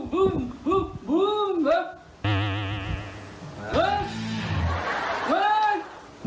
โว้วโหว